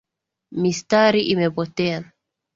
Mistari imepotea